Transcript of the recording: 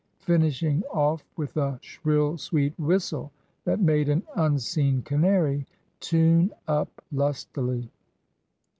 finishing off with a shrill, sweet whistle, that made an unseen canary tune up lustily.